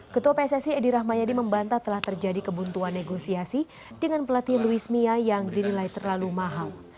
ketua pssi edi rahmayadi membantah telah terjadi kebuntuan negosiasi dengan pelatihan luis mia yang dinilai terlalu mahal